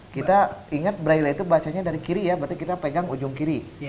kita ingat braille itu bacanya dari kiri ya berarti kita pegang ujung kiri